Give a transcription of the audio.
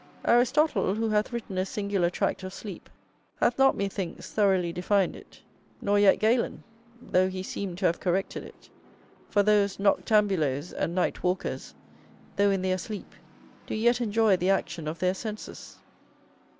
Aristotle, who hath written a singular tract of sleep, hath not, methinks, thoroughly defined it; nor yet Galen, though he seem to have corrected it; for those noctambulos and night walkers, though in their sleep, do yet enjoy the action of their senses.